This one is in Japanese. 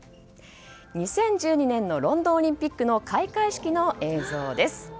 ２０１２年のロンドンオリンピックの開会式の映像です。